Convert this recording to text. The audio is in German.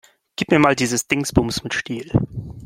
Gib mir mal dieses Dingsbums mit Stiel.